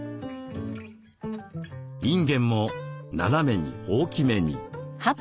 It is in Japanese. いんげんも斜めに大きめに。